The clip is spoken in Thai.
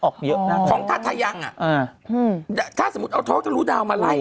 อ๋อของท่าทายังอ่ะอืมถ้าสมมติเอาท้องเต้ารุดาวมาไหล